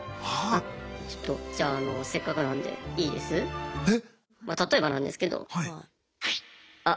ちょっとじゃあせっかくなんでいいです？え？